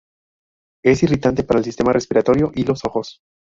Es irritante para el sistema respiratorio y los ojos.